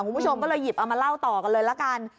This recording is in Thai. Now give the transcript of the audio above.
คุณผู้ชมก็เลยหยิบเอามาเล่าต่อกันเลยละกัน